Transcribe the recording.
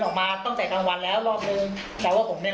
ผมก็ส่งฟื้นให้เขาผมก็เกียร์ฟื้นให้เขา